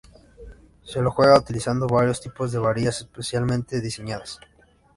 Se lo juega utilizando varios tipos de varillas especialmente diseñadas.